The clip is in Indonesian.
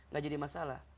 gak jadi masalah